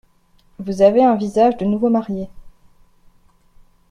Vous avez un visage de nouveau marié.